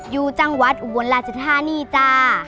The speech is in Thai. อยู่จังหวัดอุบลราชธานีจ้า